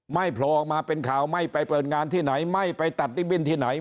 โผล่ออกมาเป็นข่าวไม่ไปเปิดงานที่ไหนไม่ไปตัดลิบบิ้นที่ไหน